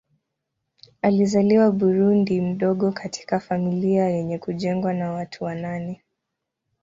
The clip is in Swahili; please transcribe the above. Alizaliwa Burundi mdogo katika familia yenye kujengwa na watu wa nane.